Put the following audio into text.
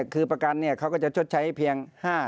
คือประกันเขาก็จะชดใช้เพียง๕๐๐